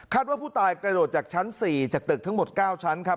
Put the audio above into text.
ว่าผู้ตายกระโดดจากชั้น๔จากตึกทั้งหมด๙ชั้นครับ